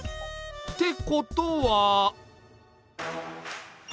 ってことは。